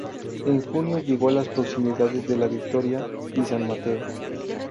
En junio llegó a las proximidades de La Victoria y San Mateo.